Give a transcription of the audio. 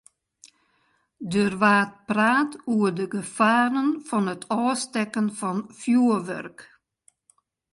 Der waard praat oer de gefaren fan it ôfstekken fan fjoerwurk.